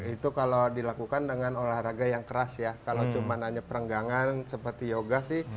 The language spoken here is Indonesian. itu kalau dilakukan dengan olahraga yang keras ya kalau cuma hanya perenggangan seperti yoga sih